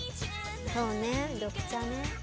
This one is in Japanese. そうね緑茶ね。